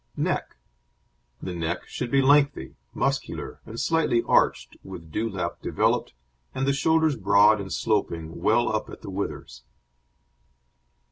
NECK The neck should be lengthy, muscular, and slightly arched, with dewlap developed, and the shoulders broad and sloping, well up at the withers.